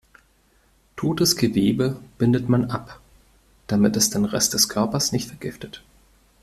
Totes Gewebe bindet man ab, damit es den Rest der Körpers nicht vergiftet.